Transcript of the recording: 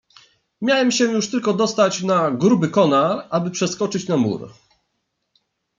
"Miałem się już tylko dostać na gruby konar, aby przeskoczyć na mur."